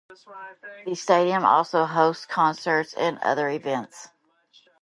The stadium also hosts concerts and other events.